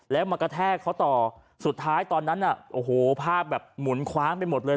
แล้วมากระแทกเขาต่อสุดท้ายตอนนั้นน่ะโอ้โหภาพแบบหมุนคว้างไปหมดเลย